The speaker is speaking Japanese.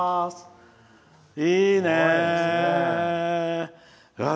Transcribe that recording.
いいねー！